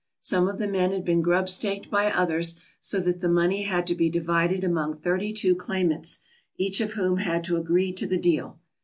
Some of the men had been grub staked by others, so that the money had to be di vided among thirty two claimants, each of whom had to agree to the deal.